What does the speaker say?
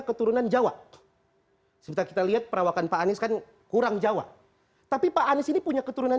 keturunan jawa seperti kita lihat perawakan pak anies kan kurang jawa tapi pak anies ini punya keturunan